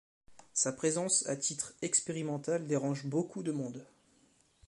Sa présence à titre expérimental dérange beaucoup de monde.